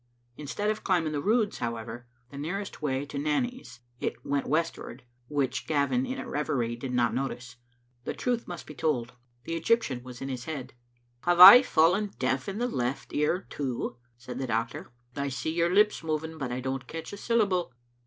In stead of climbing the Roods, however, the nearest way to Nanny's, it went westward, which Gavin, in a reverie, did not notice. The truth must be told. The Egyptian was again in his head. '' Have I fallen deaf in the left ear, too?" said the doctor. " I see your lips moving, but I don't catch a syllable."